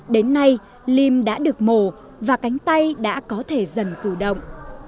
đến nay lim đã được mổ và cánh tay đã có thể dần cử động